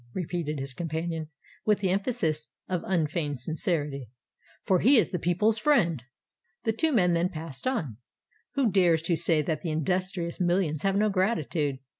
repeated his companion, with the emphasis of unfeigned sincerity: "for he is the people's friend." The two men then passed on. "Who dares to say that the industrious millions have no gratitude?"